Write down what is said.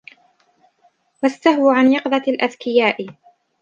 وَالسَّهْوُ عَنْ يَقِظَةِ الْأَذْكِيَاءِ